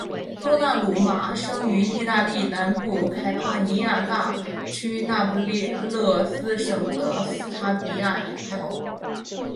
多纳鲁马生于义大利南部坎帕尼亚大区那不勒斯省的斯塔比亚海堡。